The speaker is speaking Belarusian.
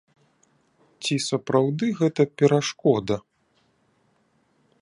Ці сапраўды гэта перашкода?